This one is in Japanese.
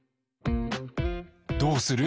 どうする？